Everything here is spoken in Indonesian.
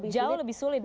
jauh lebih sulit